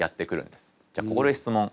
じゃあここで質問。